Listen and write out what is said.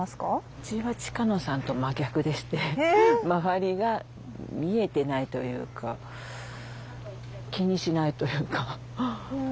ウチは近野さんと真逆でして周りが見えてないというか気にしないというか。